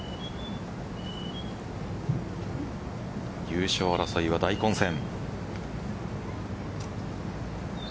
優勝争いは大混戦。